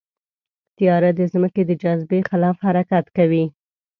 طیاره د ځمکې د جاذبې خلاف حرکت کوي.